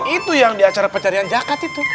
itu yang di acara pencarian zakat itu